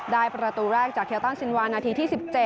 ได้ประตูแรกจากเขียวต้อนสินวานาทีที่๑๗